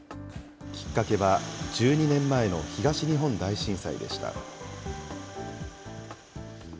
きっかけは１２年前の東日本大震災でした。